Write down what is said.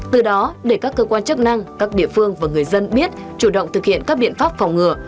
từ đó để các cơ quan chức năng các địa phương và người dân biết chủ động thực hiện các biện pháp phòng ngừa